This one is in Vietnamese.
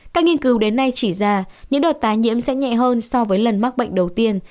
các nghiên cứu đến nay chỉ ra những đợt tái nhiễm sẽ nhẹ hơn so với lần mắc bệnh đầu tiên